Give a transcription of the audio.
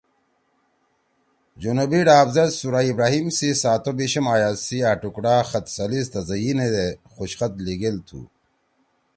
جنوبی ڈاب زید سورہ ابراہیم سی ساتوبیِشم آیات سی أ ٹُکڑا خط ثلث تزئینی دےخوشخط لیِگیل تُھو